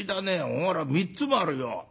ほら３つもあるよ。